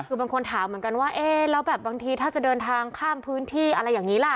คือบางคนถามเหมือนกันว่าเอ๊ะแล้วแบบบางทีถ้าจะเดินทางข้ามพื้นที่อะไรอย่างนี้ล่ะ